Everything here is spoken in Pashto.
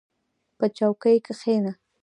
• په چوکۍ کښېنه.